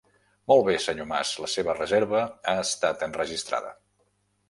Molt bé senyor Mas, la seva reserva ha estat enregistrada.